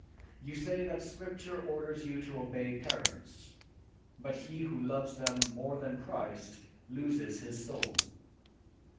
You say that Scripture orders you to obey parents, but he who loves them more than Christ loses his soul."